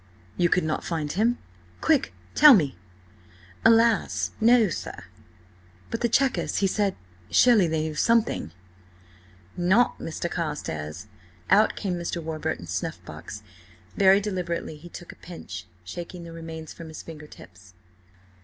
"You could not find him? Quick! Tell me?" "Alas! no, sir." "But the Chequers–he said— Surely they knew something?" "Nought, Mr. Carstares." Out came Mr. Warburton's snuff box. Very deliberately he took a pinch, shaking the remains from his finger tips.